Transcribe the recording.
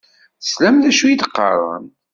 Teslam d acu i d-qqaṛen?